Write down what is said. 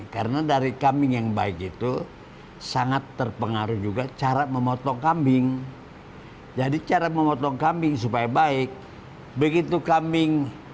kedalam itu agak bau kambing